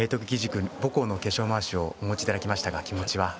母校の化粧まわしをお持ちいただきましたが気持ちは。